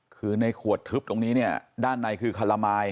คือในขวดทึบตรงนี้เนี่ยด้านในคือคาละมาย